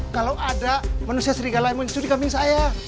kalau ada manusia serigala yang muncul di kambing saya